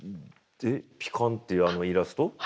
ピカンっていうあのイラスト？